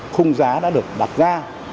khung giá đã được đặt ra